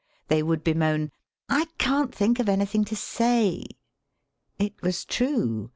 Thcj would bemoan : "I can't think of anything to say." It was tnie.